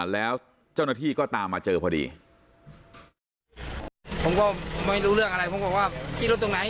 แล้วเจ้าหน้าที่ก็ตามมาเจอพอดี